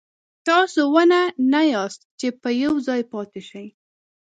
تاسو ونه نه یاست چې په یو ځای پاتې شئ.